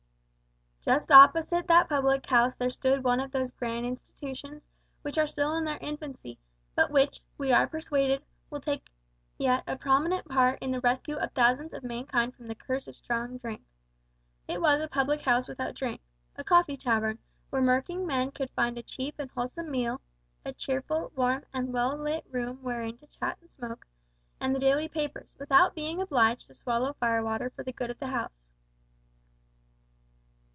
Just opposite that public house there stood one of those grand institutions which are still in their infancy, but which, we are persuaded, will yet take a prominent part in the rescue of thousands of mankind from the curse of strong drink. It was a "public house without drink" a coffee tavern, where working men could find a cheap and wholesome meal, a cheerful, warm, and well lit room wherein to chat and smoke, and the daily papers, without being obliged to swallow fire water for the good of the house.